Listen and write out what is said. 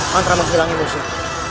mantra menghilang pun